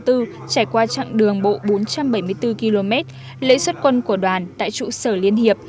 trải qua chặng đường bộ bốn trăm bảy mươi bốn km lễ xuất quân của đoàn tại trụ sở liên hiệp